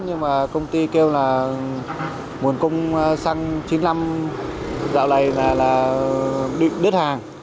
nhưng mà công ty kêu là nguồn cung xăng chín mươi năm dạo này là đứt hàng